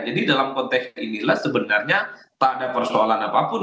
dalam konteks inilah sebenarnya tak ada persoalan apapun